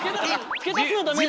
付け足すのダメですよ！